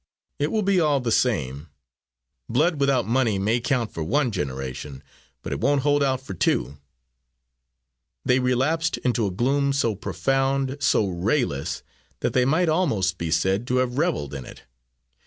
"It will be all the same. Blood without money may count for one generation, but it won't hold out for two." They relapsed into a gloom so profound, so rayless, that they might almost be said to have reveled in it.